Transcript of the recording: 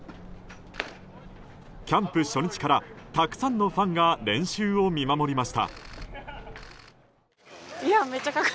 キャンプ初日からたくさんのファンが練習を見守りました。